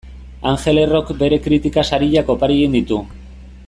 Angel Errok bere kritika sariak opari egin ditu.